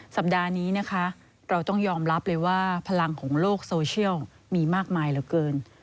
สัปดาห์นี้นะคะเราต้องยอมรับเลยว่าพลังของโลกโซเชียลมีมากมายเหลือเกิน